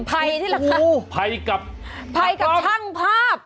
ภัยนี่แหละคะภัยกับช่างภาพภัยกับช่างภาพ